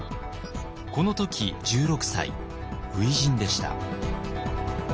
この時１６歳初陣でした。